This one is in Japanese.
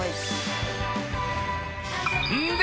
んで！